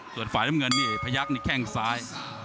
ส่วนฝ่ายน้ำเงินนี่พยักษ์นี่แข้งซ้าย